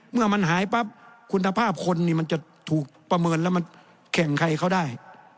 เมื่อมันหายปั๊บคุณภาพคนนี่มันจะถูกประเมินแล้วมันแข่งใครเขาได้